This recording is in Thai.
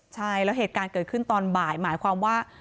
ใช่แล้วเหตุการณ์เกิดขึ้นตอนบ่ายหมายความว่า